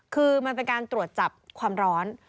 คือมันเป็นการตรวจจับความร้อน